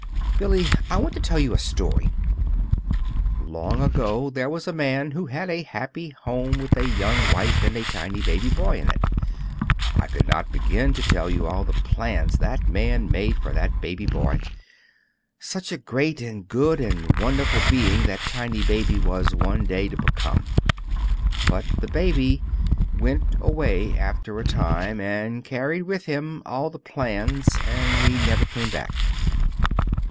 "Billy, I want to tell you a story. Long years ago there was a man who had a happy home with a young wife and a tiny baby boy in it. I could not begin to tell you all the plans that man made for that baby boy. Such a great and good and wonderful being that tiny baby was one day to become. But the baby went away, after a time, and carried with him all the plans and he never came back.